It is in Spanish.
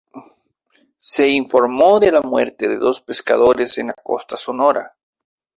Se informó de la muerte de dos pescadores en la costa de Sonora.